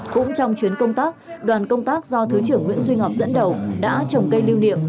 cũng trong chuyến công tác đoàn công tác do thứ trưởng nguyễn duy ngọc dẫn đầu đã trồng cây lưu niệm